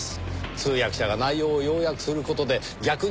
通訳者が内容を要約する事で逆に真意がロスト